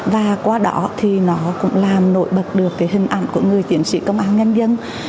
và qua đó thì nó cũng làm nổi bật được cái hình ảnh của người chiến sĩ công an nhân dân